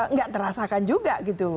nggak terasakan juga gitu